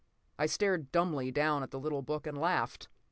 I stared dumbly down at the little book and laughed.